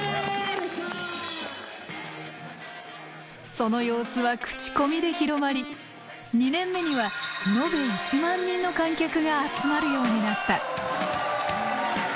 その様子は口コミで広まり２年目には延べ１万人の観客が集まるようになった。